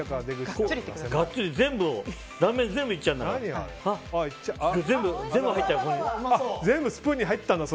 がっつり全部を断面全部いっちゃうんだ。